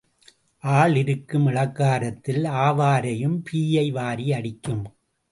ஆள் இருக்கும் இளக்காரத்தில் ஆவாரையும் பீயை வாரி அடிக்கும்.